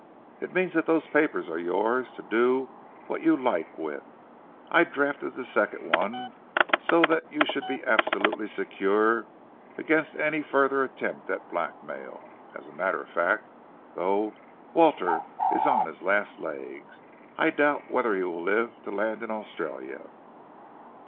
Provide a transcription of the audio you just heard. "It means that those papers are yours to do what you like with. I drafted the second one so that you should be absolutely secure against any further attempt at blackmail. As a matter of fact, though, Walter is on his last legs. I doubt whether he will live to land in Australia."